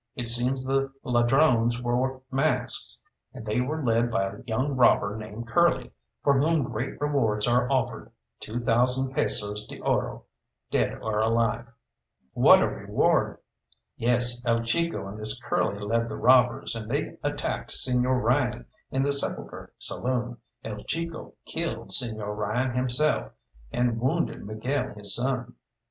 It seems the ladrones wore masks, and they were led by a young robber named Curly, for whom great rewards are offered two thousand pesos d'oro, dead or alive." "What a reward!" "Yes, El Chico and this Curly led the robbers, and they attacked Señor Ryan in the 'Sepulchre' saloon. El Chico killed Señor Ryan himself, and wounded Miguel his son.